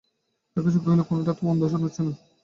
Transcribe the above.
দারুকেশ্বর কহিল, কোনোটাই তো মন্দ শোনাচ্ছে না হে।